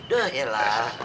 duh ya lah